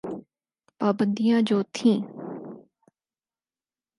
پابندیاں جو تھیں۔